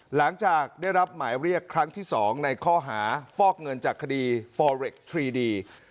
หลังจากได้รับหมายเรียกครั้งที่๒ในข้อหาฟอกเงินจากคดีฟอเรคทรีดี